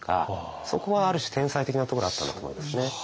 そこはある種天才的なところあったんだと思いますね。